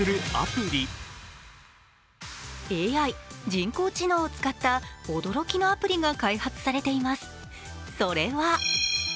ＡＩ＝人工知能を使った驚きのアプリが開発されています。